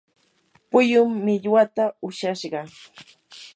puyum millwata ushashqa.